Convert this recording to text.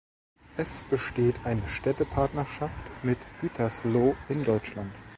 Es besteht eine Städtepartnerschaft mit Gütersloh in Deutschland.